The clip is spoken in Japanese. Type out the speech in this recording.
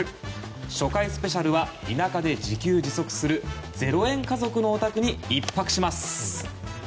初回スペシャルは田舎で自給自足する０円家族のお宅に１泊します。